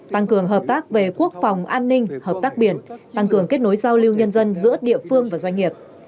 tăng cường hợp tác về quốc phòng an ninh hợp tác biển tăng cường kết nối giao lưu nhân dân giữa địa phương và doanh nghiệp